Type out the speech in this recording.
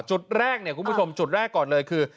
จุดแรกเนี่ยคุณผู้ชมจุดแรกก่อนเลยคือ